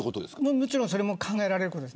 もちろんそれも考えられます。